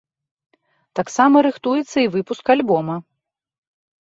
Таксама рыхтуецца і выпуск альбома.